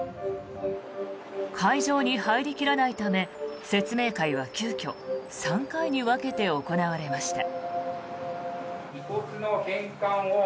会場に入り切らないため説明会は急きょ３回に分けて行われました。